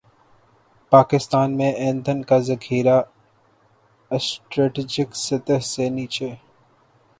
پاکستان میں ایندھن کا ذخیرہ اسٹریٹجک سطح سے نیچے